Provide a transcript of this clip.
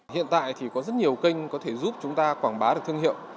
hiện tại thì có rất nhiều kênh có thể giúp chúng ta quảng bá được thương hiệu